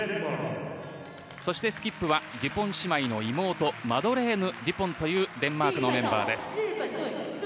そしてスキップはデュポン姉妹の妹マドレーヌ・デュポンというデンマークのメンバーです。